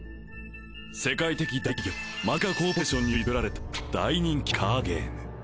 世界的大企業マジカコーポレーションにより作られた大人気カードゲーム